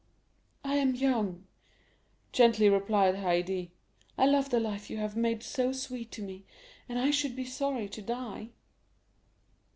"I am young," gently replied Haydée; "I love the life you have made so sweet to me, and I should be sorry to die."